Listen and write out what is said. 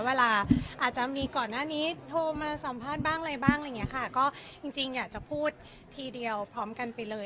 เวลาอาจจะมีก่อนหน้านี้โทรมาสัมภาษณ์บ้างอะไรบ้างอะไรอย่างเงี้ยค่ะก็จริงจริงอยากจะพูดทีเดียวพร้อมกันไปเลย